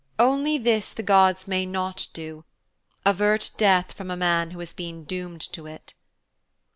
Only this the gods may not do avert death from a man who has been doomed to it.'